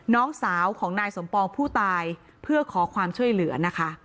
น้องสาวของนายสมปองผู้ตายเพื่อขอความช่วยเหลือนะคะ